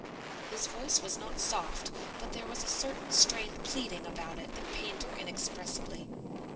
His voice was not soft, but there was a certain strained pleading about it that pained her inexpressibly.